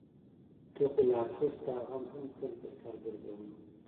ته خو لا څه؛ ستا غم هم تل په سر ګرځوم.